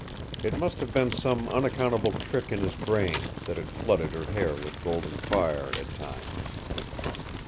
It must have been some unaccountable trick in his brain that had flooded her hair with golden fire at times.